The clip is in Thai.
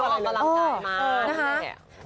เวลากำลังกายมา